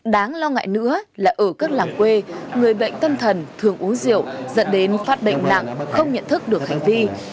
đáng lo ngại nữa là ở các làng quê người bệnh tâm thần thường uống rượu dẫn đến phát bệnh nặng không nhận thức được hành vi